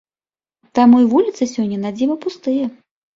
Таму й вуліцы сёння надзіва пустыя.